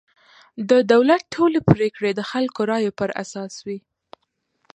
د دولت ټولې پرېکړې د خلکو رایو پر اساس وي.